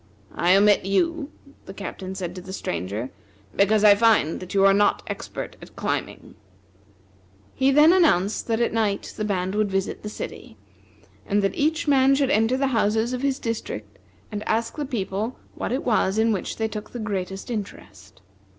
"I omit you," the Captain said to the Stranger, "because I find that you are not expert at climbing." He then announced that at night the band would visit the city, and that each man should enter the houses in his district, and ask the people what it was in which they took the greatest interest.